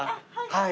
はい。